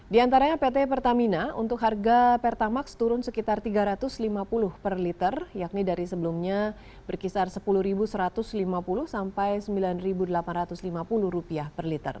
di antaranya pt pertamina untuk harga pertamax turun sekitar rp tiga ratus lima puluh per liter yakni dari sebelumnya berkisar rp sepuluh satu ratus lima puluh sampai rp sembilan delapan ratus lima puluh per liter